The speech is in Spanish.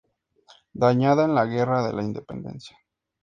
Dañada en la Guerra de la Independencia.